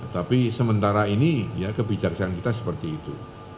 tapi sementara ini ya kebijaksanaan kita seperti itu